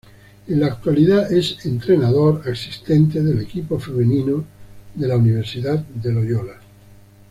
En la actualidad es entrenador asistente del equipo femenino de la Universidad de Loyola.